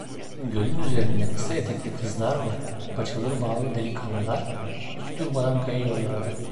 Gölün üzerinde kısa etekli kızlar ve paçaları bağlı delikanlılar hiç durmadan kayıyorlardı.